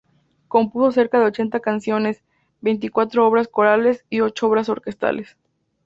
Compuso cerca de ochenta canciones, veinticuatro obras corales y ocho obras orquestales.